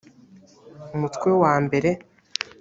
umutwe wa mbere